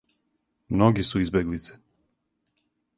Многи су избеглице.